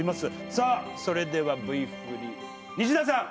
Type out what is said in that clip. さあそれではＶ振り西田さん！